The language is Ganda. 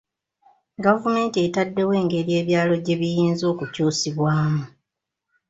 Gavumenti etaddewo engeri ebyalo gye biyinza okukyusibwamu.